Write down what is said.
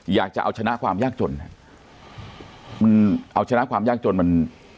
อยากจะเอาชนะความยากจนมันเอาชนะความยากจนมัน